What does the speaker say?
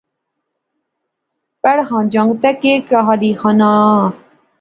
پڑھ خاں، جنگتے کیاکہیہ لیخاناں